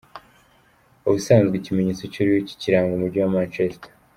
Ubusanzwe ikimenyetso cy'uruyuki kiranga umujyi wa Manchester.